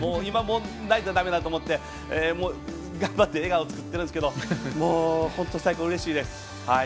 泣いちゃ、だめだと思って頑張って笑顔作ってるんですがもう、本当にうれしいです。